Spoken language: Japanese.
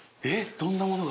どんなものが。